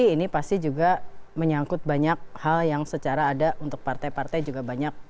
ini pasti juga menyangkut banyak hal yang secara ada untuk partai partai juga banyak